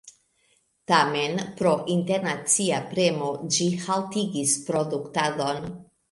Tamen pro internacia premo ĝi haltigis produktadon.